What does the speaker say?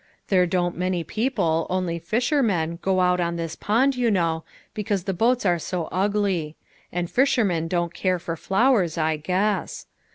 there don't many people, only fishermen, go out on this pond, you know, because the boats are so ugly ; arid fishermen don't care for flowers, I guess.